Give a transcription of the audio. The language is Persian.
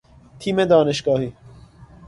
تیم دانشگاهی